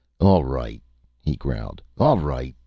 "All right," he growled, "all right!